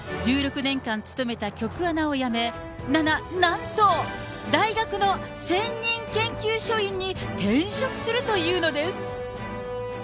１６年間勤めた局アナを辞め、なな、なんと大学の専任研究所員に転職するというのです。